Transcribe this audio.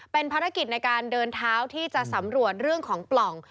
เป็นภารกิจในการเดินเท้าที่จะสำรวจเรื่องของปล่อง